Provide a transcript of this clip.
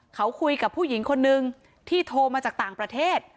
เขาคุยกับผู้หญิงคนนึงที่โทรมาจากต่างประเทศ